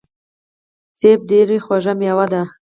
مڼې ډیره خوږه میوه ده.